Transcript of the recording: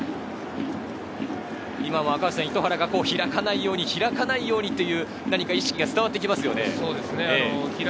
糸原が開かないように、開かないようにという意識が伝わってきますよね。